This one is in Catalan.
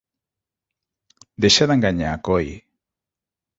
Deixa d'enganyar, coi!